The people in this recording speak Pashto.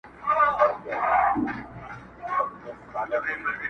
شکمن ته دا انګيزه ورکړئ، چي په درواغو ئې پوهيږئ.